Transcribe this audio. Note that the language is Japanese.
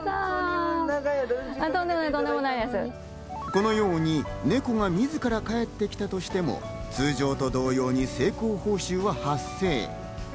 このようにネコが自ら帰ってきたとしても通常と同様に成功報酬は発生。